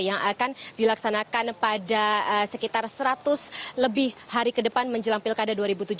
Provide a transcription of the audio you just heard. yang akan dilaksanakan pada sekitar seratus lebih hari ke depan menjelang pilkada dua ribu tujuh belas